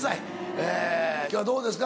え今日はどうですか？